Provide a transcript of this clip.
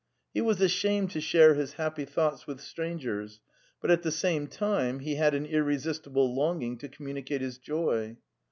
He was ashamed to share his happy thoughts with strangers, but at the same time he had an irresistible longing to communicate his joy.